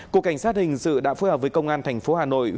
cục cảnh sát hình sự đã phối hợp với công an thành phố hà nội